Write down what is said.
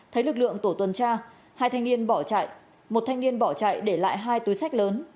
thấy lực lượng tổ tuần tra hai thanh niên bỏ chạy một thanh niên bỏ chạy để lại hai túi sách lớn